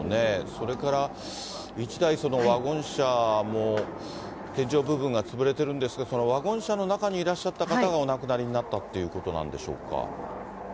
それから１台、そのワゴン車も天井部分が潰れてるんですが、ワゴン車の中にいらっしゃった方がお亡くなりになったっていうことなんでしょうか？